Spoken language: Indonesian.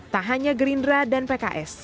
tak hanya gerindra dan pks